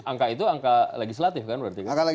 angka itu angka legislatif kan berarti